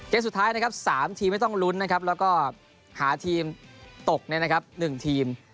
สุดท้ายนะครับ๓ทีมไม่ต้องลุ้นนะครับแล้วก็หาทีมตก๑ทีม